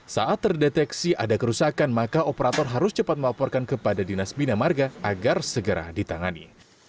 saat terdeteksi ada kerusakan maka operator harus cepat melaporkan kepada dinas bina marga agar segera ditangani